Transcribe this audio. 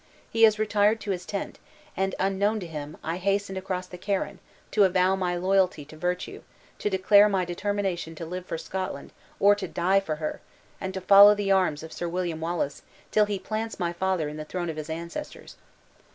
He has retired to his tent; and, unknown to him, I hastened across the Carron, to avow my loyalty to virtue, to declare my determination to live for Scotland, or to die for her; and to follow the arms of Sir William Wallace, till he plants my father in the throne of his ancestors."